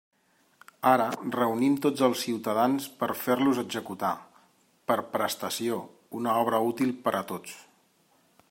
Ara, reunim tots els ciutadans per a fer-los executar, per prestació, una obra útil per a tots.